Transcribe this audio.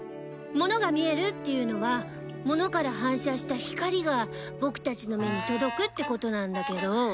物が見えるっていうのは物から反射した光がボクたちの目に届くってことなんだけど。